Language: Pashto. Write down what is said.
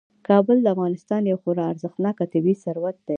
کابل د افغانستان یو خورا ارزښتناک طبعي ثروت دی.